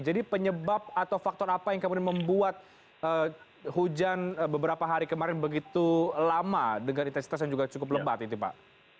jadi penyebab atau faktor apa yang kemudian membuat hujan beberapa hari kemarin begitu lama dengan intensitas yang juga cukup lembat itu pak